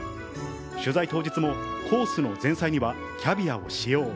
取材当日もコースの前菜にはキャビアを使用。